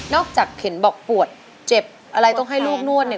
จากเข็นบอกปวดเจ็บอะไรต้องให้ลูกนวดเนี่ย